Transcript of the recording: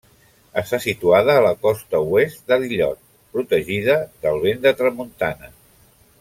Està situada a la costa oest de l'illot, protegida del vent de tramuntana.